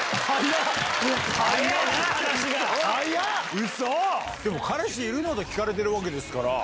ウソ⁉でも「彼氏いるの？」と聞かれてるわけですから。